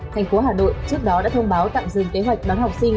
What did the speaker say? thành phố hà nội trước đó đã thông báo tạm dừng kế hoạch đón học sinh